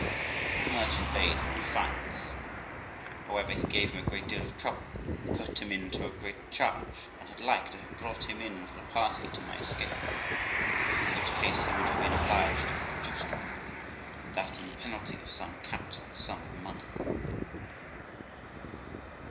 The merchant bade him defiance. However, he gave him a great deal of trouble, and put him to a great charge, and had like to have brought him in for a party to my escape; in which case he would have been obliged to have produced me, and that in the penalty of some capital sum of money.